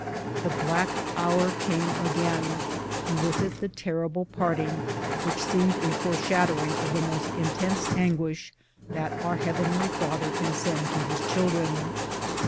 The black hour came again, and with it the terrible parting which seemed a foreshadowing of the most in tense anguish that our Heavenly Father can send to his children.